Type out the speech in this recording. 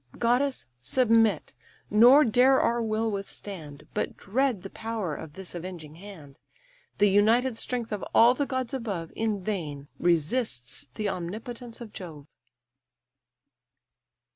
Goddess, submit; nor dare our will withstand, But dread the power of this avenging hand: The united strength of all the gods above In vain resists the omnipotence of Jove."